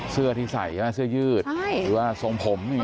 เสื้อที่ใส่เสื้อยืดหรือว่าทรงผมอย่างเงี้ย